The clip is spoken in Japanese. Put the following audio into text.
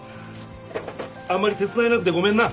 あんまり手伝えなくてごめんな。